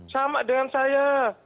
sama dengan saya